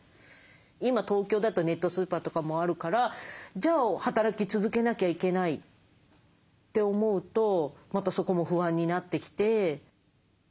今東京だとネットスーパーとかもあるからじゃあ働き続けなきゃいけないって思うとまたそこも不安になってきて。